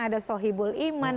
ada sohibul iman